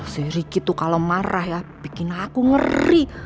sih riki tuh kalau marah ya bikin aku ngeri